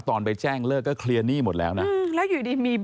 ตอนไปแจ้งเลิกก็เคลียร์หนี้หมดแล้วนะแล้วอยู่ดีมี